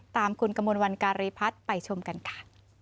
ตามคุณกมลวันการีพัฒน์ไปชมกันค่ะ